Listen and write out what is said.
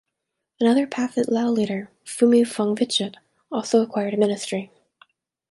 Another Pathet Lao leader, Phoumi Vongvichit, also acquired a Ministry.